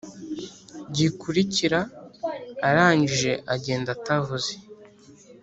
gikurikira arangije agenda atavuze